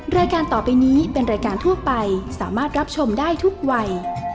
รายการต่อไปนี้เป็นรายการทั่วไปสามารถรับชมได้ทุกวัย